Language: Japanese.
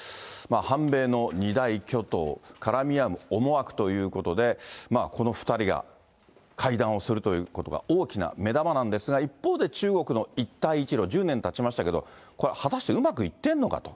反米の２大巨頭、絡み合う思惑ということで、この２人が会談をするということが大きな目玉なんですが、一方で中国の一帯一路、１０年たちましたけど、これ、果たしてうまくいってるのかと。